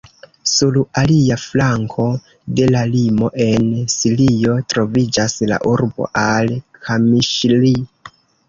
Sur alia flanko de la limo, en Sirio troviĝas la urbo al-Kamiŝli.